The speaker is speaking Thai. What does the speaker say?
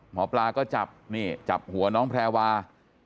หมอปลาก็จับหัวน้องแพรวาล